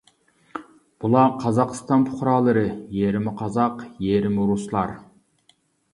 بۇلار قازاقىستان پۇقرالىرى، يېرىمى قازاق، يېرىمى رۇسلار.